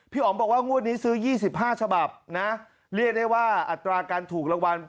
อ๋อมบอกว่างวดนี้ซื้อ๒๕ฉบับนะเรียกได้ว่าอัตราการถูกรางวัล